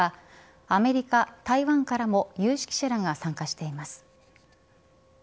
アメリカ、台湾からも有識者らが参加しています。